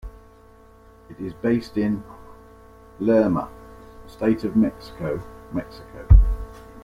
It is based in Lerma, State of Mexico, Mexico.